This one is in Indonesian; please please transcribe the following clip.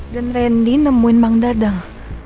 dan randy nemuin bang dadang